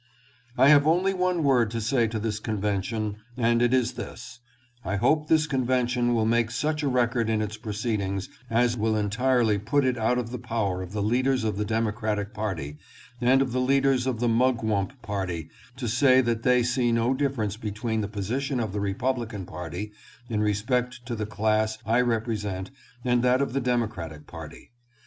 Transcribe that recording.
719 I have only one word to say to this convention and it is this: I hope this convention will make such a record in its proceedings as will entirely put it out of the power of the leaders of the Democratic party and of the leaders of the Mugwump party to say that they see no difference between the position of the Republican party in respect to the class I represent and that of the Democratic party.